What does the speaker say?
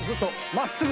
まっすぐ。